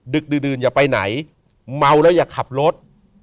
ดึกดื่นอย่าไปไหนเมาแล้วอย่าขับรถ